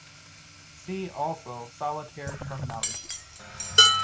See also solitaire terminology.